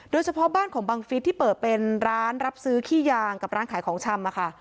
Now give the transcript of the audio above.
โดยเฉพาะบ้านของบังฟิศที่เปิดเป็นร้านรับซื้อขี้ยางกับร้านขายของชำอะค่ะ